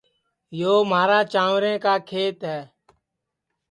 یو مھارا چانٚورے کا کھیت ہے